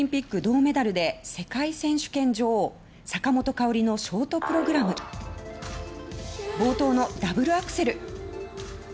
北京オリンピック銅メダル世界選手権女王坂本花織のショートプログラム冒頭のダブルアクセル